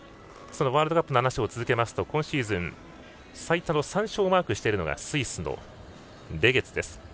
ワールドカップの話を続けると今シーズン最多の３勝をマークしているのがスイスのレゲツです。